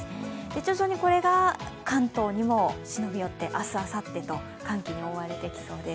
徐々にこれが関東にも忍び寄って明日、あさってと寒気に覆われてきそうです。